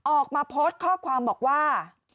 ออกมาโพสต์ข้อความบอกว่า